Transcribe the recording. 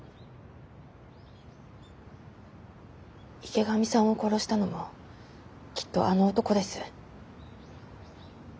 池上さんを殺したのもきっとあの男です。